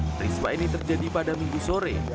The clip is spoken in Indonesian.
peristiwa ini terjadi pada minggu sore